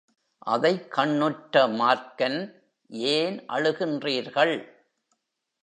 அதைக் கண்ணுற்ற மார்க்கன், ஏன் அழுகின்றீர்கள்?